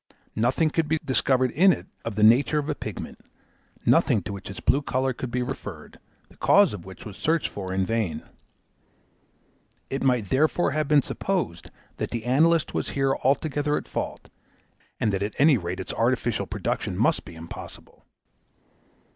Nothing could be discovered in it of the nature of a pigment, nothing to which its blue colour could be referred, the cause of which was searched for in vain. It might therefore have been supposed that the analyst was here altogether at fault, and that at any rate its artificial production must be impossible.